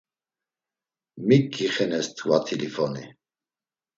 Mik gixenes t̆ǩva t̆lifoni?